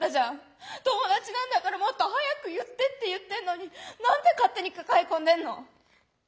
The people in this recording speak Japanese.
友達なんだからもっと早く言ってって言ってんのに何で勝手に抱え込んでんの？」。